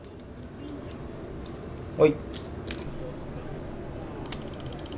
はい。